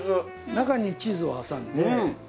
中にチーズを挟んで。